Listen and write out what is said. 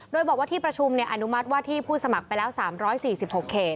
โดยบอกว่าที่ประชุมอนุมัติว่าที่ผู้สมัครไปแล้ว๓๔๖เขต